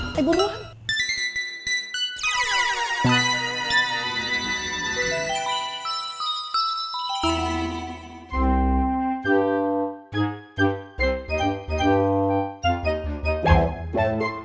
ada acara yang sama la